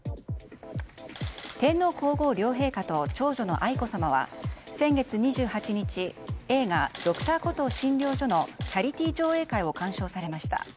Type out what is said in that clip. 天皇・皇后両陛下と長女の愛子さまは先月２８日映画「Ｄｒ．コトー診療所」のチャリティー上映会を鑑賞されました。